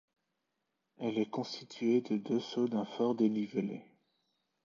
Elle est constituée de deux sauts d'un fort dénivelé.